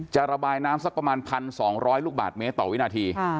ระบายน้ำสักประมาณ๑๒๐๐ลูกบาทเมตรต่อวินาที